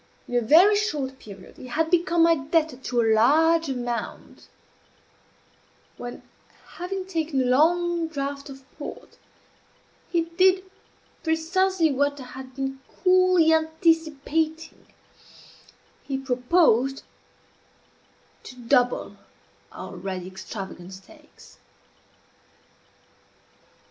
In a very short period he had become my debtor to a large amount, when, having taken a long draught of port, he did precisely what I had been coolly anticipating he proposed to double our already extravagant stakes.